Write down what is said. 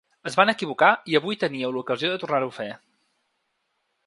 Es van equivocar i avui teníeu l’ocasió de tornar-ho a fer.